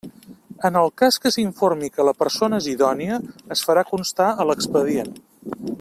En el cas que s'informi que la persona és idònia es farà constar a l'expedient.